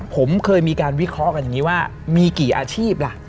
ผมเคยมีการวิเคราะห์แบบนี้ว่ามีกี่อาชีพ